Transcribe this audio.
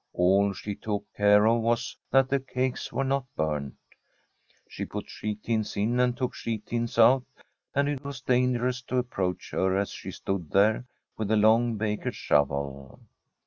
All she took care of was that the cakes were not burnt. She put sheet tins in and took sheet tins out, and it was dangerous to approach her as she stood there with the long baker's shovel.